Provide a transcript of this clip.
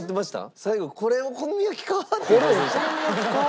最後「これお好み焼きか？」って言うてませんでした？